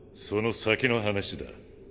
その先の話だ。